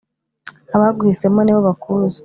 Abaguhisemo ni bo bakuzi